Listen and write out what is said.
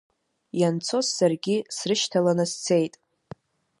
Ианцоз саргьы срышьҭаланы сцеит.